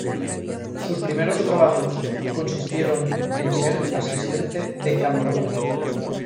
Sus primeros trabajos consistieron en ser asistente de camarógrafo.